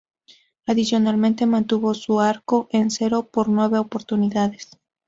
Adicionalmente, mantuvo su arco en cero por nueve oportunidades.